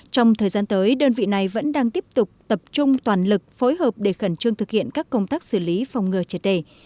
trong thời gian tới đơn vị này vẫn đang tiếp tục tập trung toàn lực phối hợp để khẩn trương thực hiện các công tác xử lý phòng ngừa triệt đề